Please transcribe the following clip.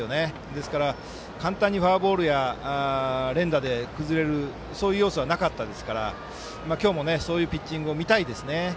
ですから、簡単にフォアボールや連打で崩れるそういう要素はなかったですから今日もそういうピッチングを見たいですね。